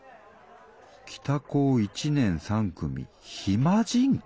「北高１年３組ヒマ人会」？